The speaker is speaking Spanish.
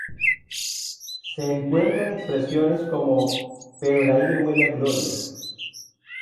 Se encuentran expresiones como: "-Pero el aire huele a gloria.